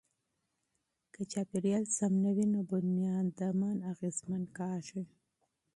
که چاپیریال خراب وي نو انسانان اغېزمن کیږي.